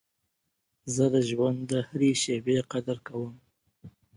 زه د ژوند د هري شېبې قدر کوم.